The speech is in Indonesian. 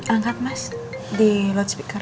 angkat mas di loudspeaker